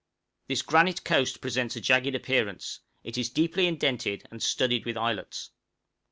This granite coast presents a jagged appearance; it is deeply indented and studded with islets.